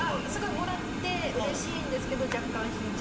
もらってうれしいんですけど。